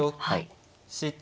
はい。